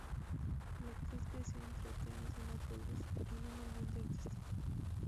La actriz creció entre Atenas y Nápoles, en un ambiente artístico.